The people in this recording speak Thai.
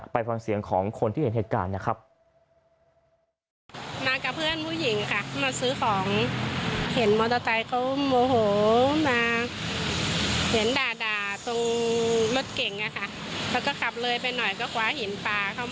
ไปฟังเสียงของคนที่เห็นเหตุการณ์นะครับ